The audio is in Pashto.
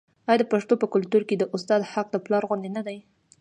آیا د پښتنو په کلتور کې د استاد حق د پلار غوندې نه دی؟